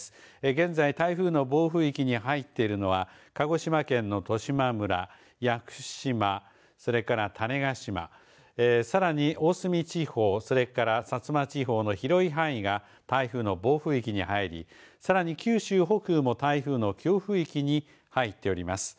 現在台風の暴風域に入っているのは鹿児島県の十島村、屋久島、それから種子島、さらに大隅地方、それから薩摩地方の広い範囲が台風の暴風域に入り、さらに九州北部も台風の強風域に入っております。